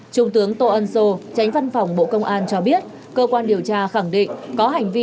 trung tướng tô ân sô tránh văn phòng bộ công an cho biết cơ quan điều tra khẳng định có hành vi